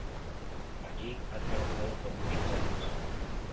Allí ha trabajado por muchos años.